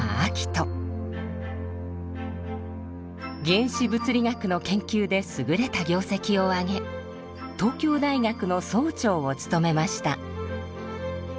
原子物理学の研究ですぐれた業績を挙げ東京大学の総長を務めました。